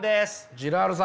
ジラールさん。